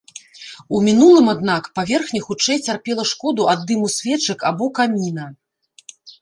У мінулым, аднак, паверхня хутчэй цярпела шкоду ад дыму свечак або каміна.